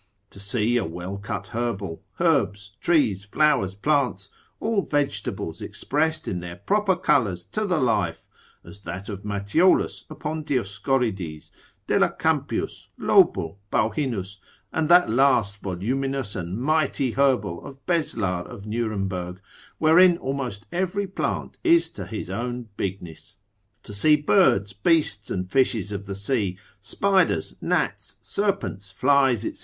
To see a well cut herbal, herbs, trees, flowers, plants, all vegetables expressed in their proper colours to the life, as that of Matthiolus upon Dioscorides, Delacampius, Lobel, Bauhinus, and that last voluminous and mighty herbal of Beslar of Nuremberg, wherein almost every plant is to his own bigness. To see birds, beasts, and fishes of the sea, spiders, gnats, serpents, flies, &c.